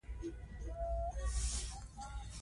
که ماشوم ښه چلند ونه کړي، لارښود ورکړئ.